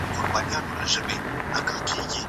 استاد وویل چي شاګردان باید خپلواک اوسي.